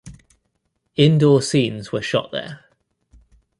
Indoor scenes were shot there.